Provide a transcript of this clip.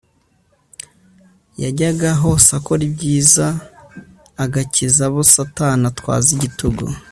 Yajyaga hosakoribyiza agakizabo Satani atwazigitugu